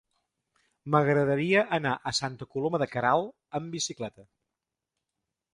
M'agradaria anar a Santa Coloma de Queralt amb bicicleta.